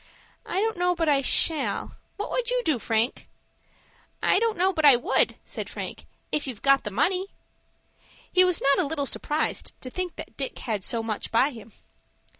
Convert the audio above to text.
"I don't know but I shall. What would you do, Frank?" "I don't know but I would," said Frank, "if you've got the money." He was not a little surprised to think that Dick had so much by him.